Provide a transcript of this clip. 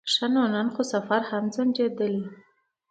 ښه نو نن خو سفر هم ځنډېدلی.